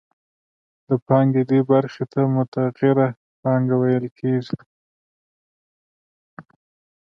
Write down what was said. د پانګې دې برخې ته متغیره پانګه ویل کېږي